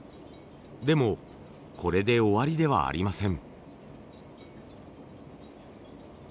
でもこれで終わりではありません。